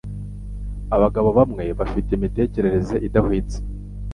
abagabo bamwe bafite imitekerereze idahwitse